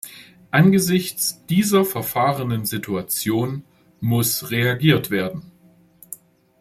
Angesichts dieser verfahrenen Situation muss reagiert werden.